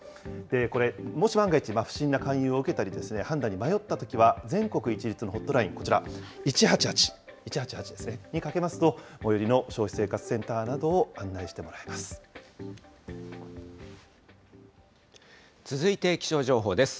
これ、もし万が一、不審な勧誘を受けたり、判断に迷ったときは、全国一律のホットライン、こちら、１８８、１８８ですね、にかけますと、最寄りの消費生活センター続いて気象情報です。